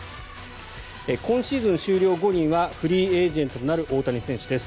今シーズン終了後にはフリーエージェントになる大谷選手です。